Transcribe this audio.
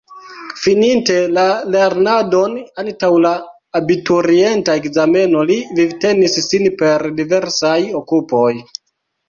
Fininte la lernadon antaŭ la abiturienta ekzameno, li vivtenis sin per diversaj okupoj.